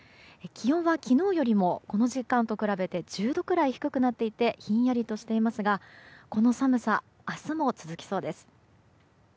気温は昨日よりもこの時間と比べて１０度くらい低くなってひんやりとしていますがこの寒さ、明日も続きそうです。